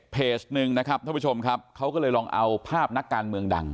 หนึ่งนะครับท่านผู้ชมครับเขาก็เลยลองเอาภาพนักการเมืองดัง